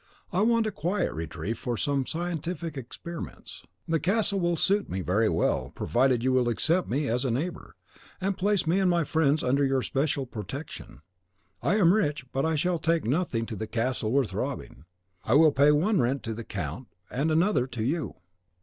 I want a quiet retreat for some scientific experiments. The castle will suit me very well, provided you will accept me as a neighbour, and place me and my friends under your special protection. I am rich; but I shall take nothing to the castle worth robbing. I will pay one rent to the count, and another to you.